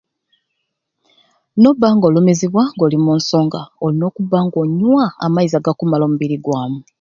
Noba nga olumizibwa nga oli munsonga olina okuba onywa amaizi agakumala omu mubiri gwamu